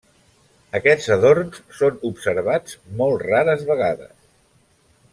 Aquests adorns són observats molt rares vegades.